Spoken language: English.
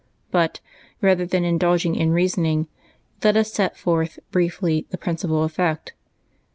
But, rather than indulge in reasoning, let us set forth briefly the principal effect.